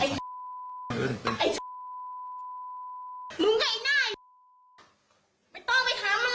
น้าสาวของน้าผู้ต้องหาเป็นยังไงไปดูนะครับ